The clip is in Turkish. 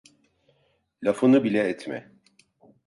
Lafını bile etme.